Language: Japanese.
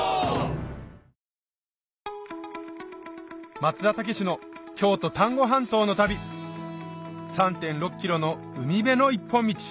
松田丈志の京都・丹後半島の旅３．６ｋｍの海辺の一本道